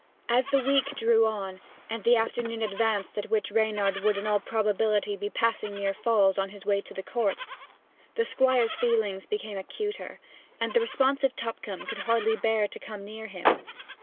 As the week drew on, and the afternoon advanced at which Reynard would in all probability be passing near Falls on his way to the Court, the Squire's feelings became acuter, and the responsive Tupcombe could hardly bear to come near him.